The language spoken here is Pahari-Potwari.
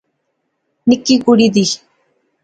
نکی کڑی دی